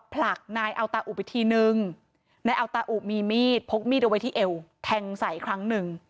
ผลักนายเอาตาอุไปทีนึงนายอัลตาอุมีมีดพกมีดเอาไว้ที่เอวแทงใส่ครั้งหนึ่ง